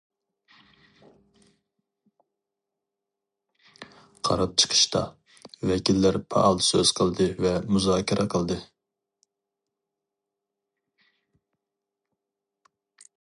قاراپ چىقىشتا، ۋەكىللەر پائال سۆز قىلدى ۋە مۇزاكىرە قىلدى.